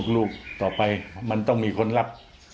ลูกต่อไปมันต้องมีคนรับ